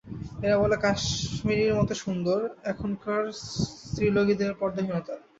এরা বলে, কাশ্মীরীর মত সুন্দর! এখানকার স্ত্রীলোকদিগের পর্দা-হীনতা।